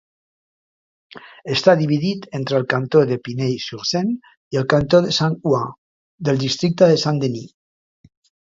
Està dividit entre el cantó d'Épinay-sur-Seine i el cantó de Saint-Ouen, del districte de Saint-Denis.